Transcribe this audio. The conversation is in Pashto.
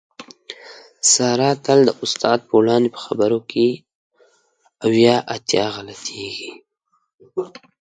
ساره تل د استاد په وړاندې په خبرو کې اویا اتیا غلطېږي.